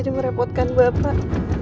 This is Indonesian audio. jadi merepotkan bapak